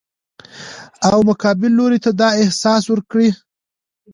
او مقابل لوري ته دا احساس ورکړي